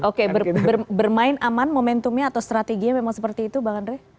oke bermain aman momentumnya atau strateginya memang seperti itu bang andre